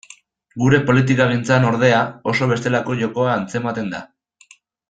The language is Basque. Gure politikagintzan, ordea, oso bestelako jokoa antzematen da.